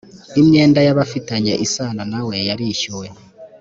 imyenda y abafitanye isano nawe yarishyuwe